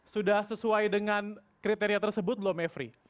sudah sesuai dengan kriteria tersebut belum mevri